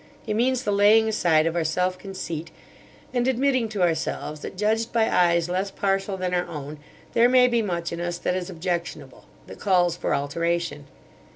It means the laying aside of our self conceit and admitting to ourselves that, judged by eyes less partial than our own, there may be much in us that is objectionable, that calls for alteration.